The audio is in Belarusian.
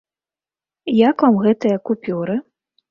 Як вам гэтыя купюры?